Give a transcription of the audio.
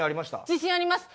自信あります。